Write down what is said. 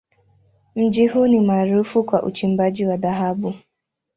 Mji huu ni maarufu kwa uchimbaji wa dhahabu.